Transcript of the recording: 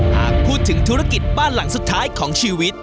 หากพูดถึงธุรกิจบ้านหลังสุดท้ายของชีวิต